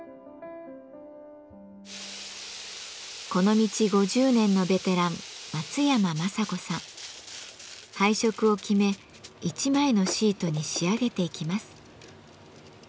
この道５０年のベテラン配色を決め１枚のシートに仕上げていきます。